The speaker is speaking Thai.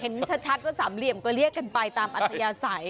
เห็นชัดว่าสามเหลี่ยมก็เรียกกันไปตามอัธยาศัย